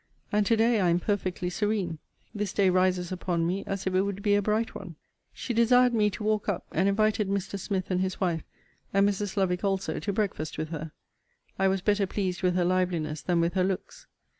And to day I am perfectly serene. This day rises upon me as if it would be a bright one. She desired me to walk up, and invited Mr. Smith and his wife, and Mrs. Lovick also, to breakfast with her. I was better pleased with her liveliness than with her looks.